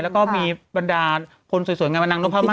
แล้วก็มีบรรดาคนสวยงานวันนางโรภามาก